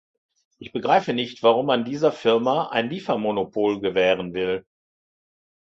Ich begreife nicht, warum man dieser Firma ein Liefermonopol gewähren will.